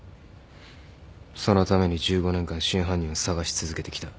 そのために１５年間真犯人を捜し続けてきた。